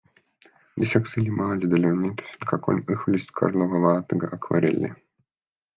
Lisaks õlimaalidele on näitusel ka kolm õhulist Karlova vaatega akvarelli.